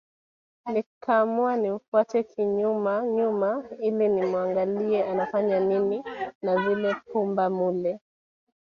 Nikaamua nimfuate kinyuma nyuma ili nimuangalie anafanya nini na zile pumba mule